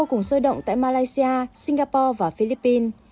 nhiều người đã diễn động tại malaysia singapore và philippines